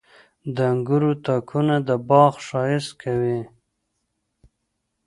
• د انګورو تاکونه د باغ ښایست کوي.